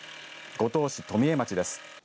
五島市富江町です。